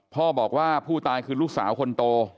พ่อบอกว่าผู้ตายคือลูกสาวคนโต